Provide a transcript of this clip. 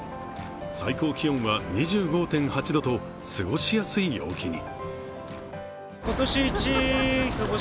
最高気温は２５．８度と過ごしやすい陽気に。